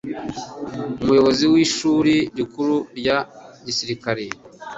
umuyobozi w'ishuli rikuru rya gisilikali